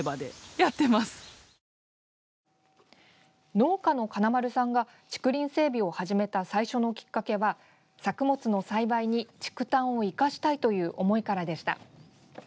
農家の金丸さんが竹林整備を始めた最初のきっかけは作物の栽培に竹炭を生かしたいという思いからでした。